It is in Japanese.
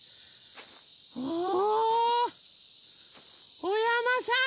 おお！おやまさん